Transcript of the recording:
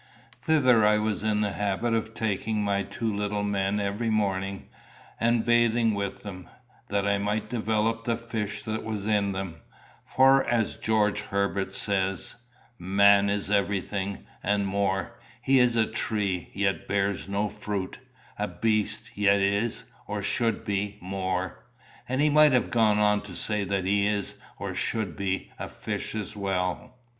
Thither I was in the habit of taking my two little men every morning, and bathing with them, that I might develop the fish that was in them; for, as George Herbert says: "Man is everything, And more: he is a tree, yet bears no fruit; A beast, yet is, or should be, more;" and he might have gone on to say that he is, or should be, a fish as well.